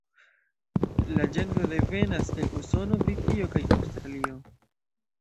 La ĝenro devenas el Usono, Britio, kaj Aŭstralio.